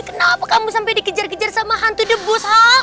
kenapa kamu sampai dikejar kejar sama hantu debus ha